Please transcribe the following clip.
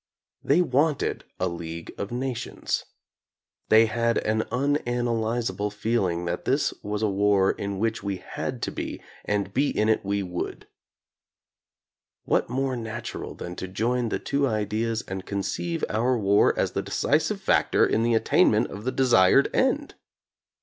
They wanted a League of Nations. They had an unanalyzable feeling that this was a war in which we had to be, and be in it we would. What more natural than to join the two ideas and conceive our war as the decisive factor in the attainment of the desired end !